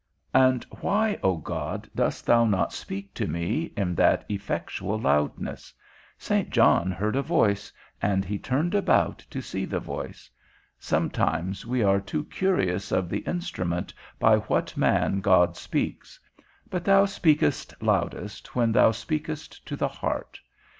And why, O God, dost thou not speak to me, in that effectual loudness? Saint John heard a voice, and he turned about to see the voice: sometimes we are too curious of the instrument by what man God speaks; but thou speakest loudest when thou speakest to the heart.